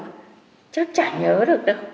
chắc chả nhớ được đâu